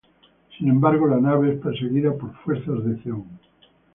Sin embargo la nave es perseguida por fuerzas de Zeon.